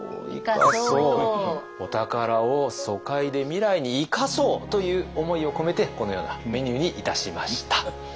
お宝を疎開で未来に生かそうという思いを込めてこのようなメニューにいたしました。